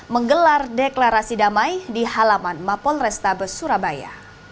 menggelar deklarasi damai di halaman mapol restabes surabaya